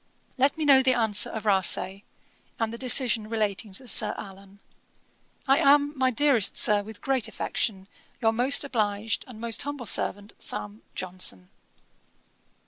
'Let me know the answer of Rasay, and the decision relating to Sir Allan. 'I am, my dearest Sir, with great affection, 'Your most obliged, and 'Most humble servant, 'SAM. JOHNSON.'